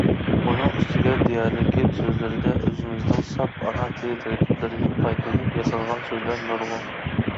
ئۇنىڭ ئۈستىگە دىيالېكت سۆزلىرىدە ئۆزىمىزنىڭ ساپ ئانا تىل تەركىبلىرىدىن پايدىلىنىپ ياسالغان سۆزلەر نۇرغۇن.